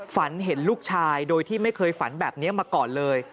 ฝันเห็นลูกชายโดยที่ไม่เคยฝันแบบนี้มาก่อนเลย